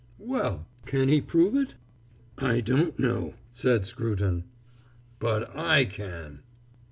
"Well, can he prove it?" "I don't know," said Scruton. "But I can!"